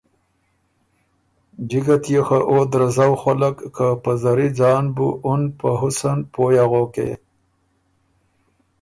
جِکه تيې خه اُن درزؤ خؤلک که په زری ځان بُو اُن په حُسن پویٛ اغوکې۔